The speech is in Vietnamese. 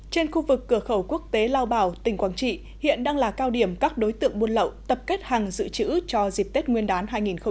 trên khu vực cửa khẩu quốc tế lao bảo tỉnh quảng trị hiện đang là cao điểm các đối tượng buôn lậu tập kết hàng dự trữ cho dịp tết nguyên đán hai nghìn hai mươi